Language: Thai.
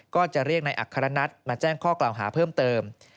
ก็จะเรียกนายอัครนัทมาแจ้งข้อกล่าวหาเพิ่มเติม